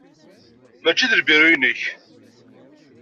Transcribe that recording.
Mačči d lbiru-inek.